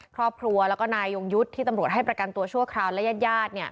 ครอบครัวแล้วก็นายยงยุทธ์ที่ตำรวจให้ประกันตัวชั่วคราวและญาติญาติ